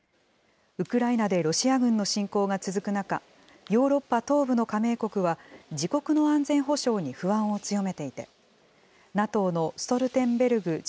ウクライナでロシア軍の侵攻が続く中、ヨーロッパ東部の加盟国は、自国の安全保障に不安を強めていて、ＮＡＴＯのストルテンベルグ